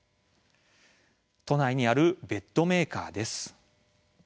都内にあるベッドメーカーです。